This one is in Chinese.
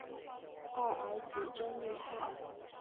二儿子真厉害